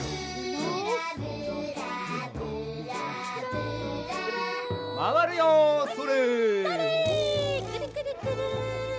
くるくるくる！